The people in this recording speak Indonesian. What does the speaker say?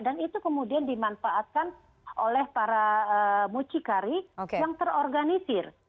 dan itu kemudian dimanfaatkan oleh para mucikari yang terorganisir